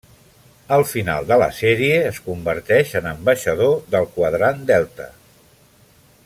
Al final de la sèrie es converteix en ambaixador del Quadrant Delta.